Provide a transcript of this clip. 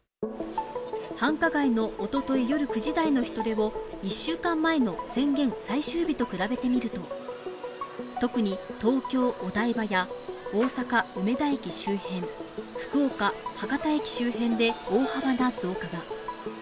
繁華街のおととい夜９時台の人出を１週間前の宣言最終日と比べてみると、特に東京・お台場や大阪・梅田駅周辺、福岡・博多駅周辺で大幅な増加が。